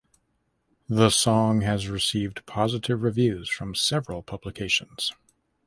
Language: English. The song has received positive reviews from several publications.